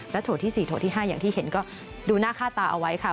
โถที่๔โถที่๕อย่างที่เห็นก็ดูหน้าค่าตาเอาไว้ค่ะ